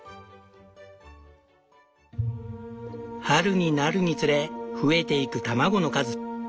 春になるにつれ増えていく卵の数。